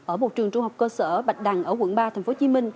ở một trường trung học cơ sở bạch đằng ở quận ba tp hcm